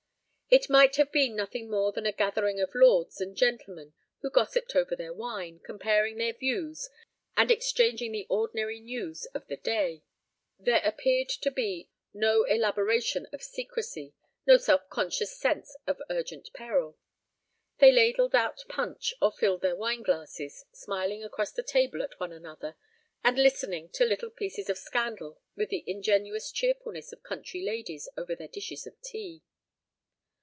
It might have been nothing more than a gathering of lords and gentlemen who gossiped over their wine, comparing their views, and exchanging the ordinary news of the day. There appeared to be no elaboration of secrecy, no self conscious sense of urgent peril. They ladled out punch, or filled their wineglasses, smiling across the table at one another, and listening to little pieces of scandal with the ingenuous cheerfulness of country ladies over their dishes of tea.